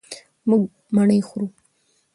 مونږ مڼې خورو.